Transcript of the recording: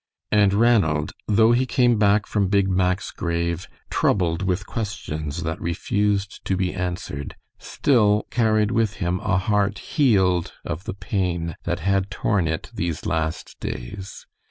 And Ranald, though he came back from Big Mack's grave troubled with questions that refused to be answered, still carried with him a heart healed of the pain that had torn it these last days.